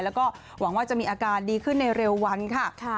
แล้วก็หวังว่าจะมีอาการดีขึ้นในเร็ววันค่ะ